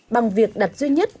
bằng việc đặt duy nhất